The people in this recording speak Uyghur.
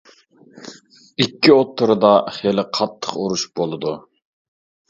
ئىككى ئوتتۇرىدا خېلى قاتتىق ئۇرۇش بولىدۇ.